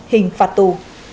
hình phạt tù